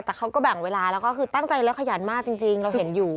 แต่เขาก็แบ่งเวลาแล้วก็คือตั้งใจแล้วขยันมากจริงเราเห็นอยู่